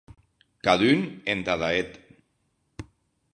Cadun entada eth.